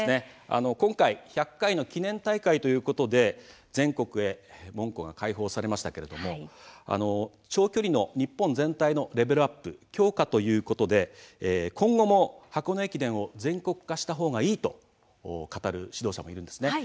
今回、１００回の記念大会ということで全国へ門戸が開放されましたが長距離の日本全体のレベルアップ強化ということで今後も箱根駅伝を全国化した方がいいと語る指導者もいるんです。